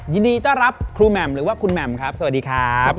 ยินดีต้อนรับครูแหม่มหรือว่าคุณแหม่มครับสวัสดีครับ